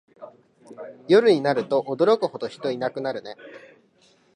夜になると驚くほど人いなくなるね